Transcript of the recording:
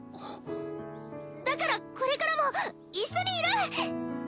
だからこれからも一緒にいる！